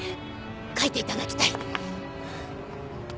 書いていただきたい。